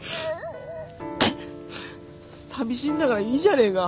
寂しいんだからいいじゃねえか？